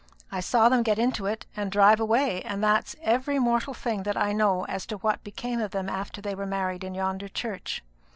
I saw them get into it and drive away; and that's every mortal thing that I know as to what became of them after they were married in yonder church."